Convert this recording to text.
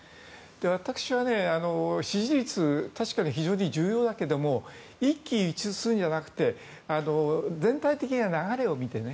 私は、支持率は確かに非常に重要だけど一喜一憂するんじゃなくて全体的な流れを見てね。